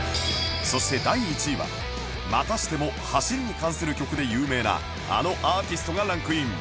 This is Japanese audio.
そして第１位はまたしても走りに関する曲で有名なあのアーティストがランクイン